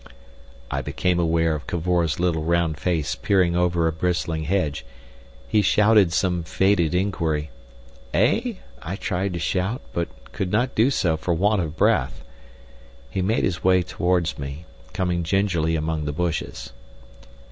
I became aware of Cavor's little round face peering over a bristling hedge. He shouted some faded inquiry. "Eh?" I tried to shout, but could not do so for want of breath. He made his way towards me, coming gingerly among the bushes.